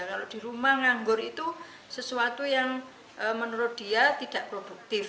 kalau di rumah nganggur itu sesuatu yang menurut dia tidak produktif